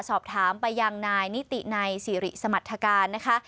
สอบถามไปยังนายนิติในสิริสมรรถการนะคะ